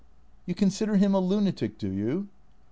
" You consider him a lunatic, do you